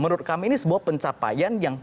menurut kami ini sebuah pencapaian yang